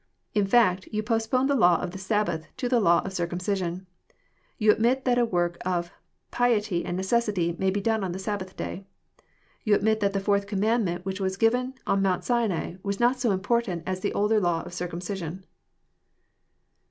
In fact, you postpone the law of the Sabbatff to the law of circumcision. Tou admit tHatu work of piety and necessity may be done on the Sabbath day.'^Tou admit that the fourth commandment which was given on Mount Sinai was not so important as the older law of circumcision."